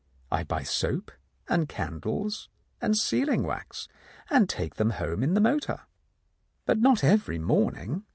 I buy soap and candles and sealing wax, and take them home in the motor." "But not every morning?"